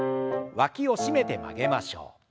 わきを締めて曲げましょう。